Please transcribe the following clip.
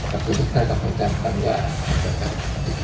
ขอบคุณครับขอบคุณครับขอบคุณครับ